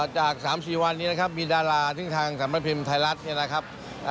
จาก๓๔วันนี้นะครับมีดาราซึ่งทางสรรพันธ์ภิมศ์ไทยรัฐ